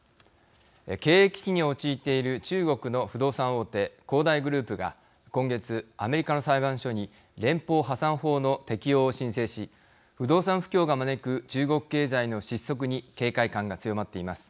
経営危機に陥っている中国の不動産大手恒大グループが今月、アメリカの裁判所に連邦破産法の適用を申請し不動産不況が招く中国経済の失速に警戒感が強まっています。